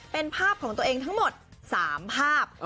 เป็นภาพของตัวเองทั้งหมด๓ภาพ